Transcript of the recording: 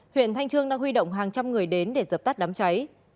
huyện thanh trương đang huy động hàng trăm người đến để dập tắt đám cháy